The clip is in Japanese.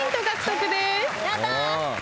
やったー！